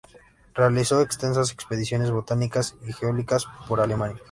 Realizó extensas expediciones botánicas y geológicas por Alemania